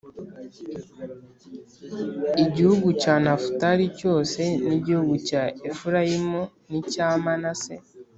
igihugu cya nafutali cyose n’igihugu cya efurayimu n’icya manase,